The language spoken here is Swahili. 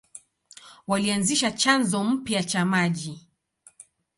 Walianzisha chanzo mpya cha maji.